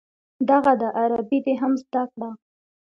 دغه ده عربي دې هم زده کړه.